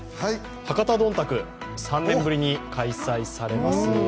博多どんたく、３年ぶりに開催されます。